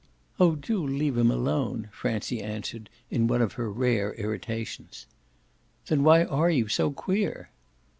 "Oh do leave him alone!" Francie answered in one of her rare irritations. "Then why are you so queer?"